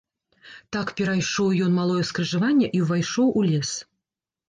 Так перайшоў ён малое скрыжаванне і ўвайшоў у лес.